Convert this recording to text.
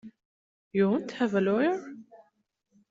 You won't have a lawyer?